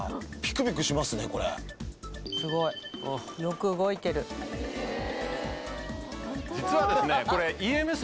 すごい実はですね